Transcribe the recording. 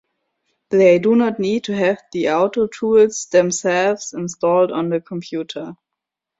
They do not need to have the Autotools themselves installed on the computer.